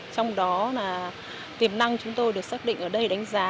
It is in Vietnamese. trong đó tiềm năng chúng tôi được xác định ở đây đánh giá